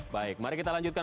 baik mari kita lanjutkan